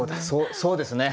そうですね。